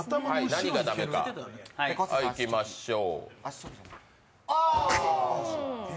何が駄目か、いきましょう。